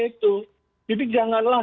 itu jadi janganlah